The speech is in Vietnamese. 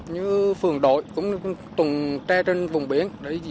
như phường đội cũng từng tre trên đường